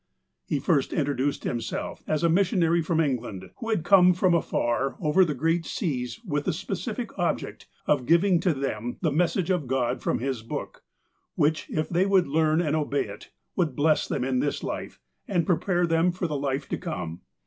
He first introduced himself as a missionary from Eng land, who had come from afar over the great seas with the specific object of giving to them the message of God from His Book, which, if they would learn and obey it, would bless them in this life, and prepare them for the life to come.